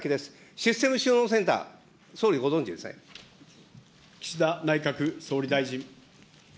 システム収納センター、総理、ご岸田内閣総理大臣。